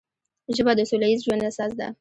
ژبه د سوله ییز ژوند اساس ده